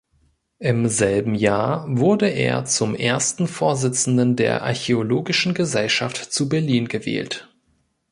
Im selben Jahr wurde er zum Ersten Vorsitzenden der Archäologischen Gesellschaft zu Berlin gewählt.